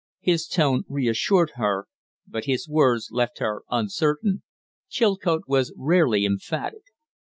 His tone reassured her, but his words left her uncertain; Chilcote was rarely emphatic.